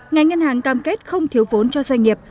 ngành ngân hàng cam kết không thiếu vốn cho doanh nghiệp